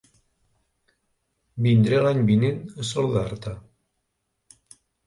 Vindré l'any vinent a saludar-te.